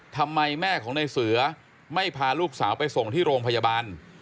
ทำไมแม่ของในเสือไม่พาลูกสาวไปส่งที่โรงพยาบาล